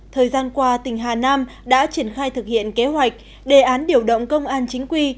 thời gian qua tỉnh hà nam đã triển khai thực hiện kế hoạch đề án điều động công an chính quy